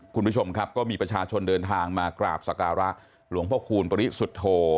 คุณผู้ชมครับก็มีประชาชนเดินทางมากราบสการะหลวงพ่อคูณปริสุทธโธ